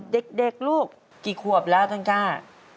เด็กลูกกี่ขวบแล้วท่านกล้า